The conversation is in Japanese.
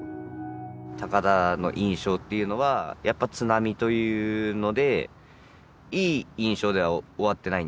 高田の印象というのはやっぱ津波というのでいい印象では終わってないんですよ。